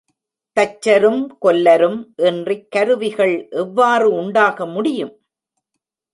தச்சரும் கொல்லரும் இன்றிக் கருவிகள் எவ்வாறு உண்டாக முடியும்?